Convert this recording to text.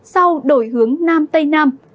sau đổi hướng nam tây nam